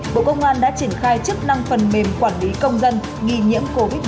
bộ công an đã triển khai chức năng phần mềm quản lý công dân nghi nhiễm covid một mươi chín